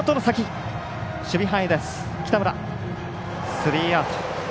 スリーアウト。